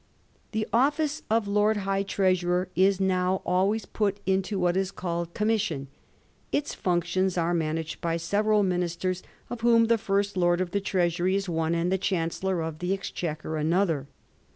The office of Lord High Treasurer is now always put into what is called commission ; its functions are managed by several ministers, of whom the First Lord of the Treasury is one and the Chancellor of the Ex chequer another.